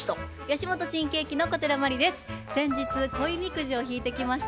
吉本新喜劇の小寺真理です。